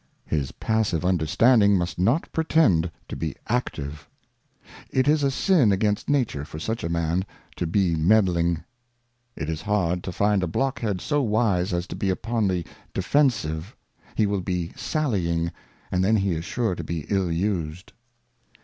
His passive Understanding must not pretend to be active. It is a Sin against Nature for such a Man to be meddling. It is hard to find a Blockhead so wise as to be upon the De fensive ; he will be sallying, and then he is sure to be ill used.